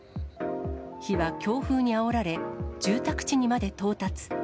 火は強風にあおられ、住宅地にまで到達。